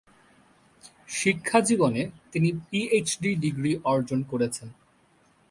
শিক্ষাজীবনে তিনি PhD degree অর্জন করেছিলেন।